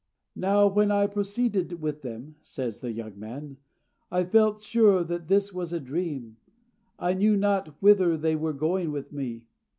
"Now when I proceeded with them," says the young man, "I felt sure that this was a dream, and knew not whither they were going with me.